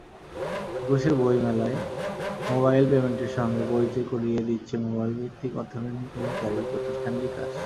একুশের বইমেলায় মোবাইল পেমেন্টের সঙ্গে পরিচয় করিয়ে দিচ্ছে মোবাইলভিত্তিক অর্থলেনদেনকারী প্রতিষ্ঠান বিকাশ।